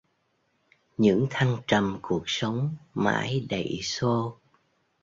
Những thăng trầm cuộc sống mãi đẩy xô